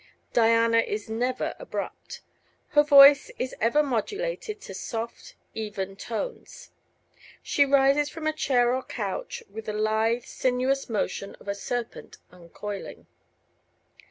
Diana is never abrupt; her voice is ever modulated to soft, even tones; she rises from a chair or couch with the lithe, sinuous motion of a serpent uncoiling.